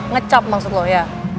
ngecap maksud lo ya